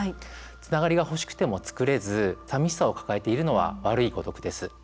つながりが欲しくても作れずさみしさを抱えているのは悪い孤独です。